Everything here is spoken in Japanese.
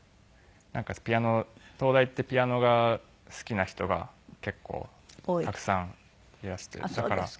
なんかピアノ東大ってピアノが好きな人が結構たくさんいらして。